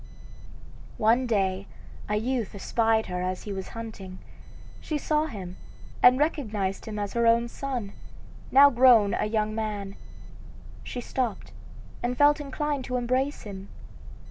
One day a youth espied her as he was hunting. She saw him and recognized him as her own son, now grown a young man. She stopped and felt inclined to embrace him.